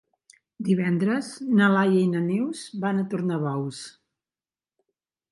Divendres na Laia i na Neus van a Tornabous.